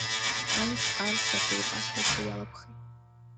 Анс-арс ак еибаҳҳәоит ҳәа иалабхи.